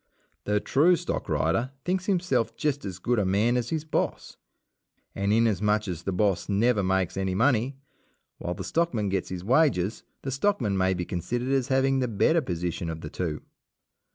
The true stockrider thinks himself just as good a man as his boss, and inasmuch as "the boss" never makes any money, while the stockman gets his wages, the stockman may be considered as having the better position of the two.